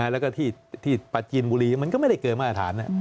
แล้วก็ที่ปราจีนบุรีมันก็ไม่ได้เกินมาตรฐาน